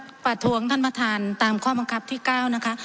ประท้วงท่านประธานตามข้อบังคับที่๙นะคะ